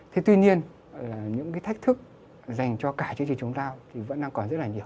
thế tuy nhiên những thách thức dành cho cả chương trình chống lao vẫn còn rất là nhiều